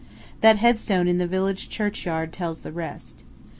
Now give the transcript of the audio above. That headstone in the village churchyard tells the rest.